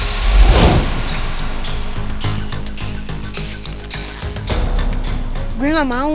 aku tidak mau